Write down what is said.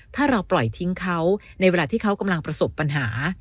ถ้าเราปล่อยทิ้งเขาในเวลาที่เขากำลังประสบปัญหา